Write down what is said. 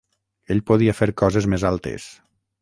Ell podia fer coses més altes.